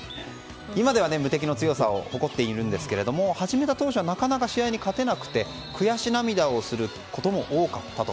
今では無敵の強さを誇っているんですが始めた当初はなかなか試合に勝てなくて悔し涙をすることも多かったと。